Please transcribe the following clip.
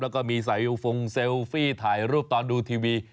แล้วก็มีสายฟงเซลฟี่ถ่ายรูปตอนดูทีวี